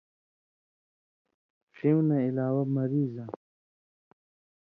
ݜېوں نہ علاوہ مریضاں